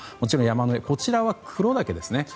こちらは黒岳ですね。